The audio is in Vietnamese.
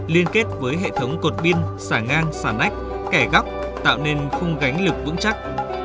liên kết với hệ thống cột biên xả ngang xả ách kẻ góc tạo nên khung gánh lực vững chắc